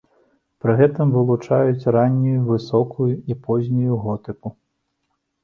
Пры гэтым вылучаюць раннюю, высокую і познюю готыку.